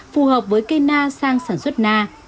phù hợp với cây na sang sản xuất na